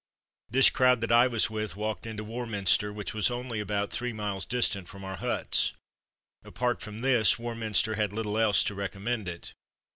This crowd that I was with walked into War minster, which was only about three miles distant from our huts. Apart from this, Warminster had little else to recommend it.